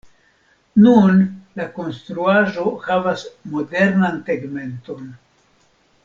Nun la konstruaĵo havas modernan tegmenton.